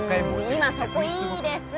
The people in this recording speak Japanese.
今そこいいです